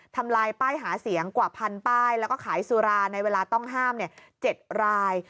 ทำลายป้ายหาเสียงกว่าพันป้ายแล้วก็ขายสุราในเวลาต้องห้าม๗ราย